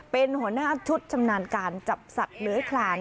เป็นหัวหน้าชุดชำนาญการจับสัตว์เลื้อยคลาน